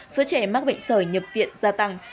số trẻ mắc bệnh sởi nhập viện gia tăng